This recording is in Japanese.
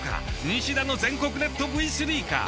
西田の全国ネットＶ３か？